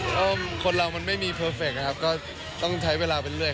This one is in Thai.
โต้งคิดว่าอะไรที่เราต้องปรับปรุง